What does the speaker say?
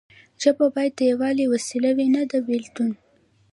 ژبه باید د یووالي وسیله وي نه د بیلتون.